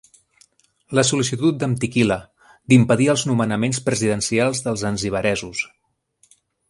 La sol·licitud de Mtikila d'impedir els nomenaments presidencials dels zanzibaresos.